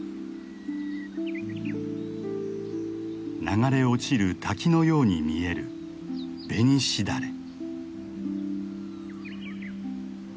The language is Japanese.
流れ落ちる滝のように見えるベニシダレ。